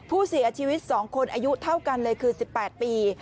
ผู้เสียชีวิต๒คนอายุเท่ากันเลยคือ๑๘ปี